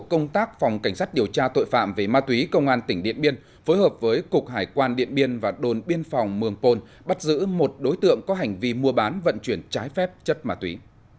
tổ công tác phòng cảnh sát điều tra tội phạm về ma túy công an tỉnh điện biên phối hợp với cục hải quan điện biên và đồn biên phòng mường pôn bắt giữ một đối tượng có hành vi mua bán vận chuyển trái phép chất ma túy